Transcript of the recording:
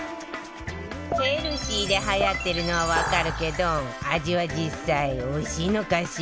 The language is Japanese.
ヘルシーではやってるのはわかるけど味は実際おいしいのかしら？